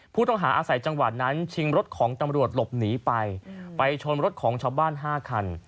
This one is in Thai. ผู้ต้องหาอาศัยจังหวัดนั้นชิงรถของตำรวจหลบหนีไปไปชนรถของชาวบ้าน๕คัน